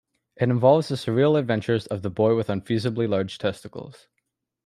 It involves the surreal adventures of "the boy with unfeasibly large testicles".